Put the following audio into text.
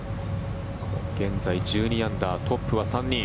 現在１２アンダートップは３人。